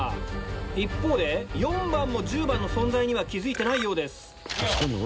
一方で４番も１０番の存在には気付いてないようです。